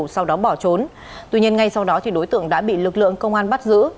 sau đó bỏ trốn tuy nhiên ngay sau đó đối tượng đã bị lực lượng công an bắt giữ